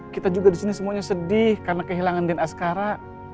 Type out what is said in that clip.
kita juga disini semuanya sedih karena kehilangan din oskara